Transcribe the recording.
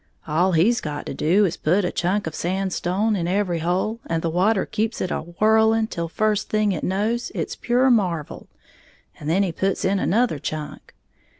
All he's got to do is to put a chunk of sandstone in every hole, and the water keeps it a whirling till first thing it knows it's a pure marvle; and then he puts in another chunk.